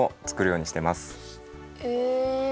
え！